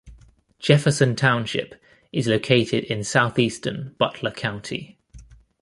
Jefferson Township is located in southeastern Butler County.